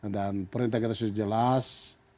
dan perintah kita sudah jelas